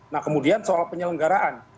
nah kemudian soal penyelenggaraan